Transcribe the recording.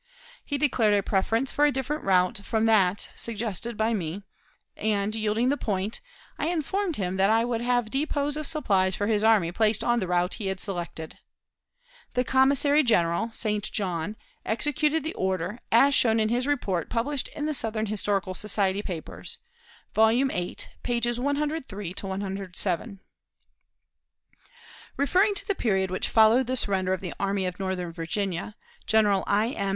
He declared a preference for a different route from that suggested by me, and, yielding the point, I informed him that I would have depots of supplies for his army placed on the route he had selected. The commissary general, St. John, executed the order, as shown in his report published in the "Southern Historical Society Papers," vol. viii, pp. 103 107. Referring to the period which followed the surrender of the Army of Northern Virginia, General I. M.